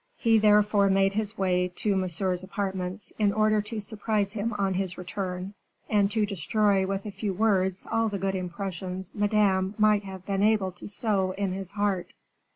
He therefore made his way to Monsieur's apartments, in order to surprise him on his return, and to destroy with a few words all the good impressions Madame might have been able to sow in his heart.